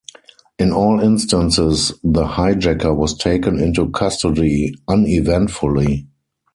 In all instances, the hijacker was taken into custody uneventfully.